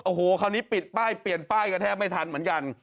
โอ้โหคราวนี้ปิดป้ายเปลี่ยนป้ายกันแทบไม่ทันเหมือนกัน